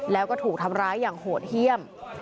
แล้วก็ถูกทำร้ายอย่างโหดเยี่ยม